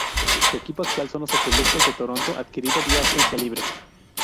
Su equipo actual son los Azulejos de Toronto, adquirido vía agencia libre.